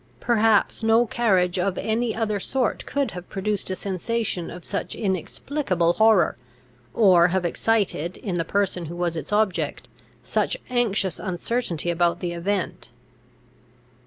Perhaps no carriage of any other sort could have produced a sensation of such inexplicable horror, or have excited, in the person who was its object, such anxious uncertainty about the event.